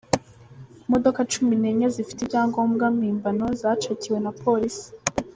Imodoka cumi nenye zifite ibyangombwa mpimbano zacakiwe na Polisi